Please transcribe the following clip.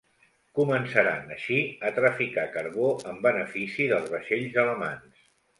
Començaran així, a traficar carbó en benefici dels vaixells alemanys.